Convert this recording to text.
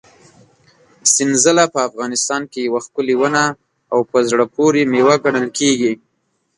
سنځله په افغانستان کې یوه ښکلې ونه او په زړه پورې مېوه ګڼل کېږي.